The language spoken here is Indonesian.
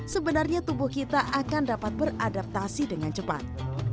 sebenarnya tubuh kita akan dapat beradaptasi dengan cepat